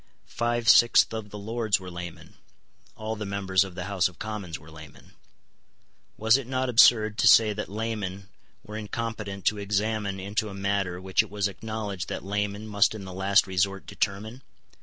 Five sixths of the Lords were laymen. All the members of the House of Commons were laymen. Was it not absurd to say that laymen were incompetent to examine into a matter which it was acknowledged that laymen must in the last resort determine?